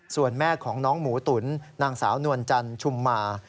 ส่วนแม่ของน้องหมูตุ๋นนางสาวนวลจันทร์ชุมมา